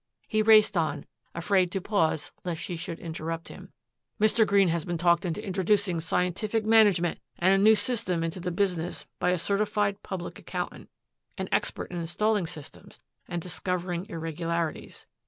He raced on, afraid to pause lest she should interrupt him. "Mr. Green has been talked into introducing scientific management and a new system into the business by a certified public accountant, an expert in installing systems and discovering irregularities.